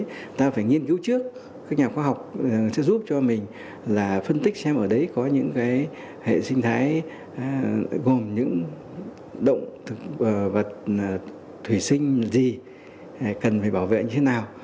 chúng ta phải nghiên cứu trước các nhà khoa học sẽ giúp cho mình là phân tích xem ở đấy có những cái hệ sinh thái gồm những động thực vật thủy sinh gì cần phải bảo vệ như thế nào